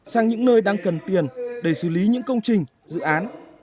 sang những nơi đang cần tiền để xử lý những công trình dự án